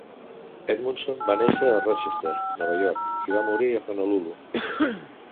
Edmundson va néixer a Rochester, Nova York, i va morir a Honolulu.